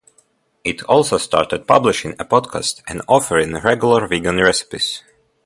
It also started publishing a podcast and offering regular vegan recipes.